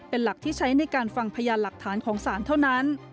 เป็นหลักที่ใช้ในการฟังพยานหลักฐานของศาลเท่านั้น